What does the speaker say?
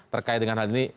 terkait dengan hal ini